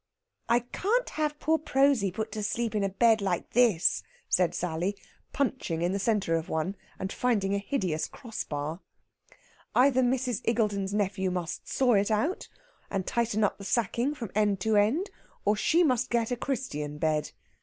"I can't have poor Prosy put to sleep in a bed like this," said Sally, punching in the centre of one, and finding a hideous cross bar. Either Mrs. Iggulden's nephew must saw it out, and tighten up the sacking from end to end, or she must get a Christian bed.